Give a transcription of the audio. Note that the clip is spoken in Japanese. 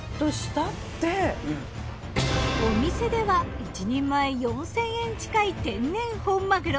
お店では１人前４，０００円近い天然本まぐろ。